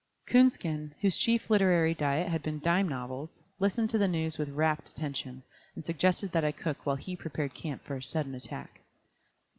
Coonskin, whose chief literary diet had been dime novels, listened to the news with rapt attention, and suggested that I cook while he prepared camp for a sudden attack.